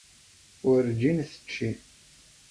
Werǧin tečči.